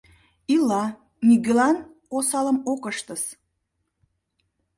— Ила, нигӧлан осалым ок ыштыс...